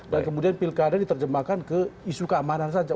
kemudian pilkada diterjemahkan ke isu keamanan saja